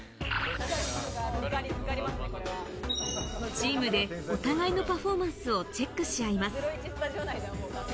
チームでお互いのパフォーマンスをチェックし合います。